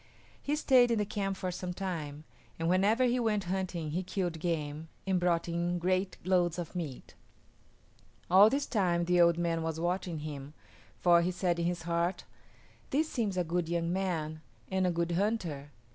He stayed in the camp for some time, and whenever he went hunting he killed game and brought in great loads of meat. All this time the old man was watching him, for he said in his heart, "This seems a good young man and a good hunter.